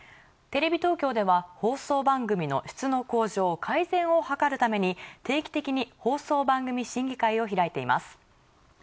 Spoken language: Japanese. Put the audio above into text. テレビ東京では放送番組の質の向上改善を図るために定期的に放送番組審議会を開いています。